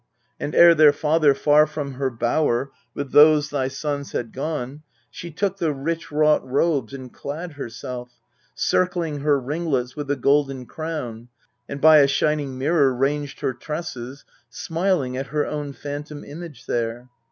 And ere their father Far from her bower with those thy sons had gone, She took the rich wrought robes and clad herself, Circling her ringlets with the golden crown, And by a shining mirror ranged her tresses, Smiling at her own phantom image there.